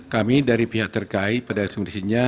kami dari pihak terkait pada asumsinya